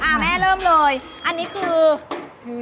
แม่เริ่มเลยอันนี้คือ